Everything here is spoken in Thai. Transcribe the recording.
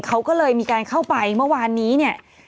เขาก็เลยมีการเข้าไปเมื่อวานนี้เนี่ย